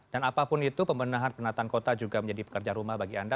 dan apapun itu pembendahan penataan kota juga menjadi pekerjaan rumah bagi anda